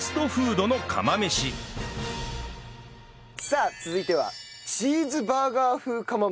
さあ続いてはチーズバーガー風釜飯です。